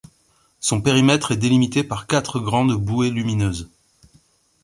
Son périmètre est délimité par quatre grandes bouées lumineuses.